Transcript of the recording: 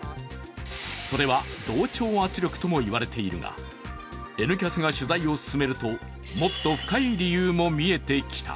それは同調圧力とも言われているが、「Ｎキャス」が取材を進めると、もっと深い理由も見えてきた。